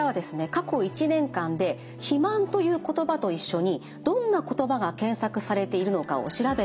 過去１年間で肥満という言葉と一緒にどんな言葉が検索されているのかを調べた図です。